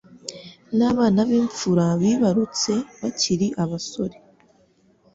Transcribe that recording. n’abana b’imfura bibarutse bakiri abasore